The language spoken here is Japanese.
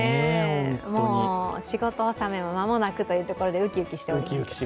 仕事納めも間もなくというところで、ウキウキしています。